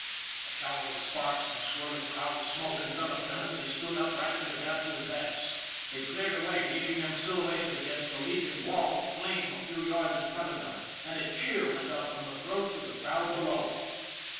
A shower of sparks and a swirling cloud of smoke enveloped them as they stood upright and began to ad vance. It cleared away leaving them silhouetted against the leaping wall of flame a few yards in front of them and a cheer went up from the throats of the crowd below.